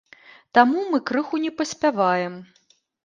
Таму мы крыху не паспяваем.